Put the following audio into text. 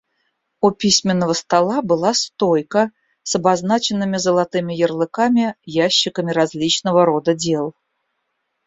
У письменного стола была стойка с обозначенными золотыми ярлыками ящиками различного рода дел.